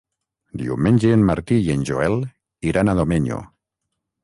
Diumenge en Martí i en Joel iran a Domenyo.